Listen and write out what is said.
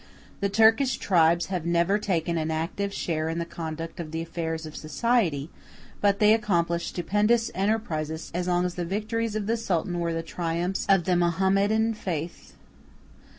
The Turkish tribes have never taken an active share in the conduct of the affairs of society, but they accomplished stupendous enterprises as long as the victories of the Sultan were the triumphs of the Mohammedan faith.